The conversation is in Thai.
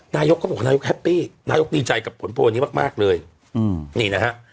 นายกก็บอกว่านายกแฮปปี้นายกดีใจกับผลโพลนี้มากมากเลยนี่นะฮะ